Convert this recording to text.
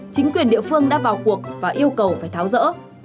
chính quyền địa phương đã vào cuộc và yêu cầu phải tháo rỡ